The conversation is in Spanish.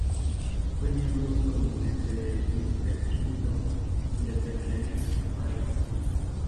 Fue miembro prominente del United Kingdom Independence Party.